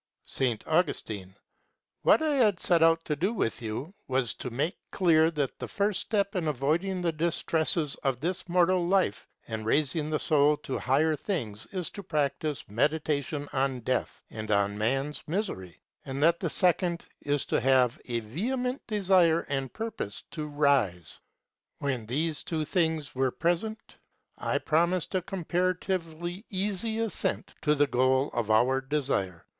S. Augustine. What I had set out to do with you was to make clear that the first step in avoiding the distresses of this mortal life and raising the soul to higher things is to practise meditation on death and on man's misery; and that the second is to have a vehement desire and purpose to rise. When these two things were present, I promised a comparatively easy ascent to the goal of our desire.